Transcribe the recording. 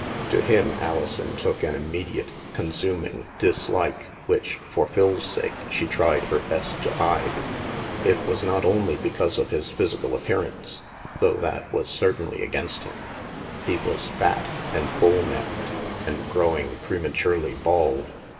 To him Alison took an im mediate consuming dislike which, for Phil's sake, she tried her best to hide. It was not only because of his physical appear THE MAELSTROM 137 ance, though that was certainly against him. He was fat, and bull necked, and growing prematurely bald.